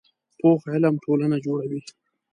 پوخ علم ټولنه جوړوي